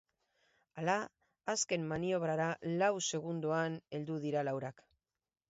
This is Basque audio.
Hala, azken maniobrara lau segundoan heldu dira laurak.